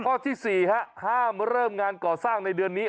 ข้อที่๔ห้ามเริ่มงานก่อสร้างในเดือนนี้